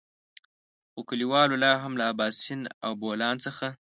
خو کليوالو لاهم له اباسين او بولان څخه.